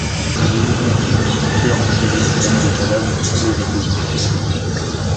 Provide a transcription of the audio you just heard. Un énigmatique tueur en série sème des cadavres dans tous les États-Unis.